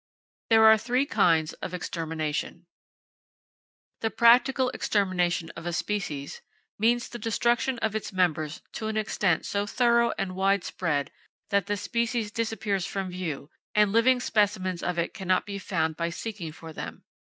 There are three kinds of extermination: The practical extermination of a species means the destruction of its members to an extent so thorough and widespread that the species disappears from view, and living specimens of it can not be found by seeking for them.